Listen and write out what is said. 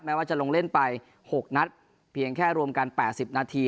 ว่าจะลงเล่นไป๖นัดเพียงแค่รวมกัน๘๐นาที